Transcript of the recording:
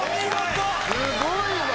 すごいな。